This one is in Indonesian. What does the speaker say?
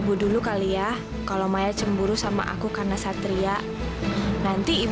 gue udah keburu ngeliat